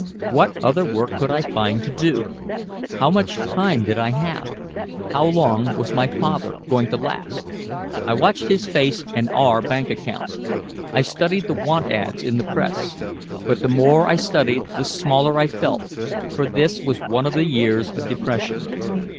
What other work could I find to do? How much time did I have? How long was my father going to last? I watched his face and our bank account. I studied the "want ads" in the press. But the more I studied the smaller I felt, for this was one of the years of depression.